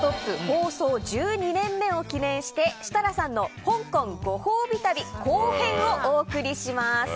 放送１２年目を記念して設楽さんの香港ご褒美旅後編をお送りします。